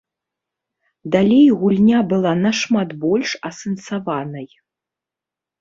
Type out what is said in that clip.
Далей гульня была нашмат больш асэнсаванай.